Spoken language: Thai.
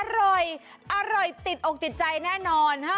อร่อยอร่อยติดอกติดใจแน่นอน